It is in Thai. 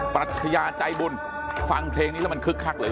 ปรัชญาใจบุญฟังเพลงนี้แล้วมันคึกคักเลย